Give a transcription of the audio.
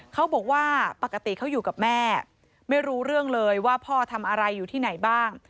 เขาบอกว่าปกติเขาอยู่กับแม่ไม่รู้เรื่องเลยว่าพ่อทำอะไรอยู่ที่ไหนบ้าง